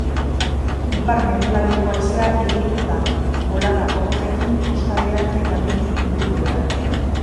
Ipar-mendebaldeko haizea ibiliko da, bolada gogorrekin kostaldean eta mendi inguruetan.